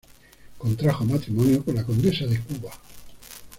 Contrajo matrimonio con la condesa de Cuba.